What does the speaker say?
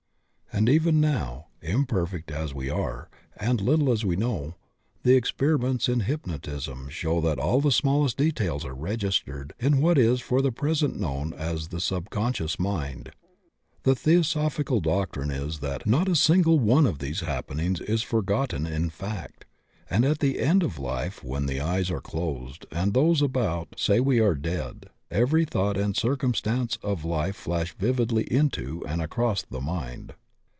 And even now, imperfect as we are and little as we know, the experiments in hypnotism show that all the smallest details are registered in what is for the present known as the sub conscious mind. Hie theosophical doctrine is that not a single one of these happenings is forgot ten in fact, and at the end of life when die eyes are closed and those about say we are dead every thought and circumstance of Ufe flash vividly into and across the mind.